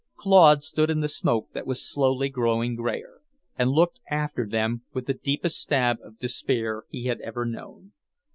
Claude stood in the smoke that was slowly growing greyer, and looked after them with the deepest stab of despair he had ever known.